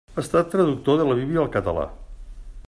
Ha estat traductor de la Bíblia al català.